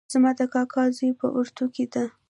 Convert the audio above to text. زما د کاکا زوی په اردو کې ده